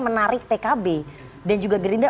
menarik pkb dan juga gerindra